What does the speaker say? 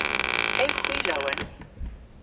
Ewgh hwi lowen?